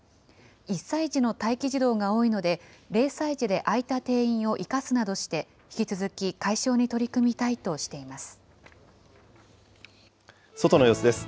１歳児の待機児童が多いので、０歳児で空いた定員を生かすなどして、引き続き解消に取り組みたいとしています。